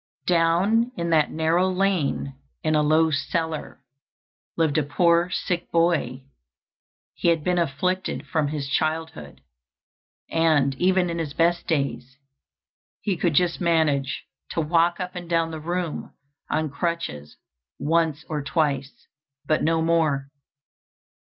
"Down in that narrow lane, in a low cellar, lived a poor sick boy; he had been afflicted from his childhood, and even in his best days he could just manage to walk up and down the room on crutches once or twice, but no more.